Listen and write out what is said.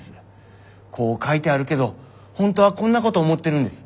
こう書いてあるけど本当はこんなこと思ってるんです。